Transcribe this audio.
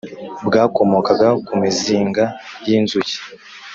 bwakomokaga ku mizinga y’inzuki